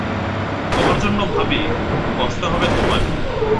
তোমার জন্যে ভাবি, কষ্ট হবে তোমারই।